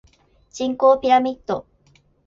人口ピラミッド